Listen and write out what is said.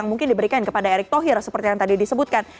yang mungkin diberikan kepada erick thohir seperti yang tadi disebutkan